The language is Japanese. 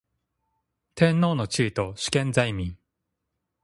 天皇の地位と主権在民